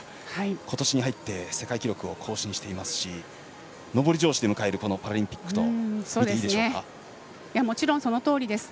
ことしに入って世界記録を更新していますし上り調子で迎えるパラリンピックと見てもちろん、そのとおりです。